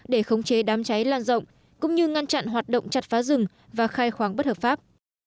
để khống chế đám cháy lan rộng cũng như ngăn chặn hoạt động chặt phá rừng và khai khoáng bất hợp pháp